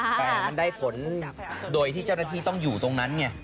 แต่มันได้ผลโดยที่เจ้าหน้าที่ต้องอยู่ตรงนั้นไง